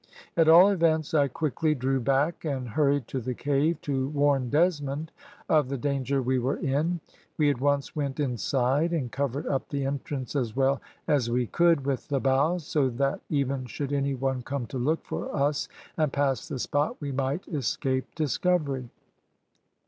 At all events, I quickly drew back and hurried to the cave to warn Desmond of the danger we were in. We at once went inside and covered up the entrance as well as we could with the boughs, so that even should any one come to look for us and pass the spot we might escape discovery."